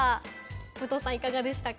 武藤さん、いかがでしたか？